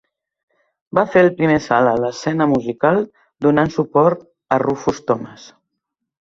Va fer el primer salt a l'escena musical donant suport a Rufus Thomas.